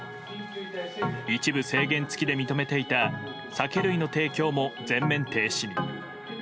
一部制限付きで認めていた酒類の提供も全面停止。